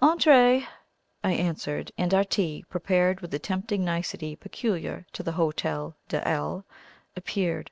"Entrez!" I answered; and our tea, prepared with the tempting nicety peculiar to the Hotel de L , appeared.